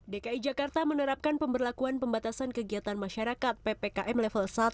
dki jakarta menerapkan pemberlakuan pembatasan kegiatan masyarakat ppkm level satu